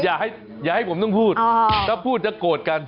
อย่าให้ผมต้องพูดถ้าพูดจะโกรธกัน